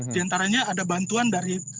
di antaranya ada bantuan dari